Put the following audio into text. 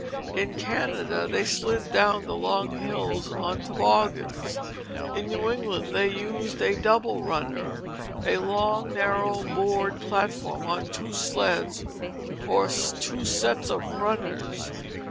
In Canada they slid down the long hills on toboggans. In New England they used a double runner, a long narrow board platform on two sleds or two sets of runners.